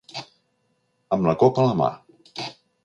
Amb la copa a la mà.